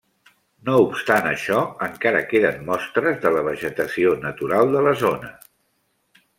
No obstant això, encara queden mostres de la vegetació natural de la zona.